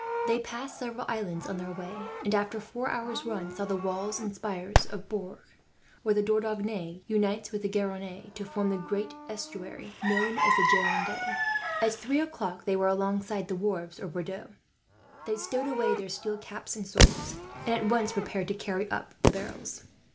They passed several islands on their way and, after four hours' run, saw the walls and spires of Bourg, where the Dordogne unites with the Garonne to form the great estuary known as the Gironde. At three o'clock they were alongside the wharves of Bordeaux. They stowed away their steel caps and swords, and at once prepared to carry up the barrels.